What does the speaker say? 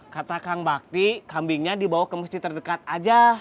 kata kang bakti kambingnya dibawa ke masjid terdekat aja